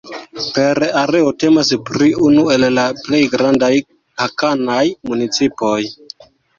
Per areo temas pri unu el la plej grandaj hanakaj municipoj.